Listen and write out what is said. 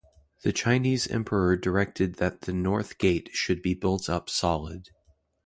The Chinese emperor directed that the north gate should be built up solid.